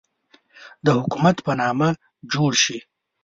د حکومت په نامه جوړ شي.